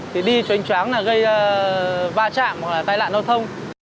thì đi cho anh chóng là gây va chạm hoặc là tai nạn giao thông